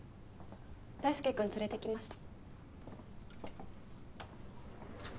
大輔君連れてきました。